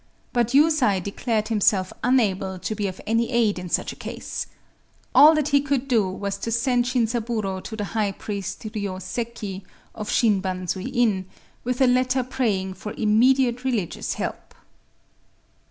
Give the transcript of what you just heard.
But Yusai declared himself unable to be of any aid in such a case. All that he could do was to send Shinzaburō to the high priest Ryōseki, of Shin Banzui In, with a letter praying for immediate religious help.